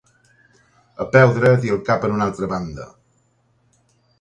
A peu dret i el cap en una altra banda.